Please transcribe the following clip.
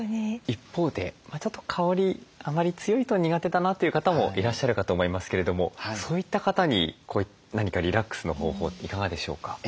一方でちょっと香りあまり強いと苦手だなという方もいらっしゃるかと思いますけれどもそういった方に何かリラックスの方法いかがでしょうか？